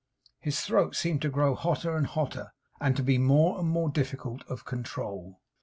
His throat seemed to grow hotter and hotter, and to be more and more difficult of control.